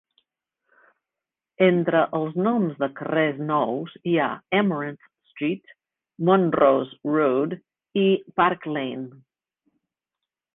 Entre els noms de carrers nous hi ha Amaranth Street, Montrose Road i Park Lane.